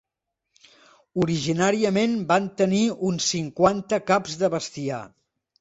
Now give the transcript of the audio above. Originàriament van tenir uns cinquanta caps de bestiar.